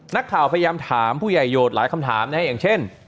นักข่าวพยายามถามผู้ใหญ่โหดหลายคำถามนะฮะอย่างเช่น